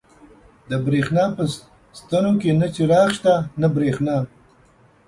د برېښنا په ستنو کې نه څراغ شته، نه برېښنا.